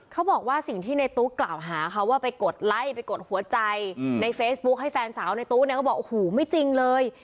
เขาบอกว่าสิ่งที่ในตู้กล่าวหาเขาว่าไปกดไล่ไปกดหัวใจในเฟซบุ๊คให้แฟนสาวในตู้เนี่ยก็บอกโอ้โหไม่จริงเลย